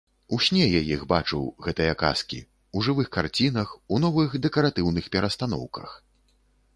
У сне я іх бачыў, гэтыя казкі, у жывых карцінах, у новых дэкаратыўных перастаноўках.